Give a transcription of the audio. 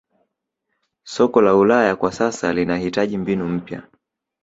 soka la ulaya kwa sasa linahitaji mbinu mpya